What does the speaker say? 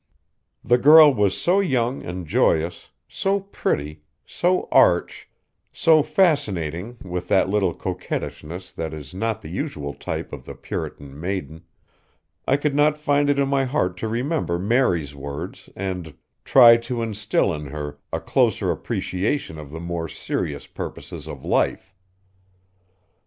The girl was so young and joyous, so pretty, so arch, so fascinating with that little coquettishness that is not the usual type of the Puritan maiden, I could not find it in my heart to remember Mary's words and "try to instil in her a closer appreciation of the more serious purposes of life."